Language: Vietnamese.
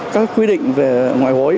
các quy định về ngoại hối